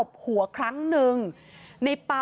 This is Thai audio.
กลุ่มวัยรุ่นฝั่งพระแดง